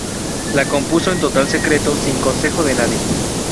La compuso en total secreto, sin consejo de nadie.